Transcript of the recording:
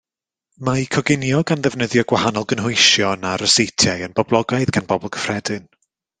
Mae coginio gan ddefnyddio gwahanol gynhwysion a ryseitiau yn boblogaidd gan bobl gyffredin